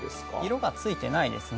色がついてないですね。